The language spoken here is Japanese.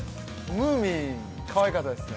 ◆ムーミン、かわいかったですね。